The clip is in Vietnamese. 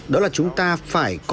đó là chúng ta phải có